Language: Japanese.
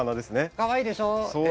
かわいいでしょう？ええ。